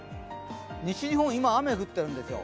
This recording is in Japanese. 西日本、今、雨降ってるんですよ。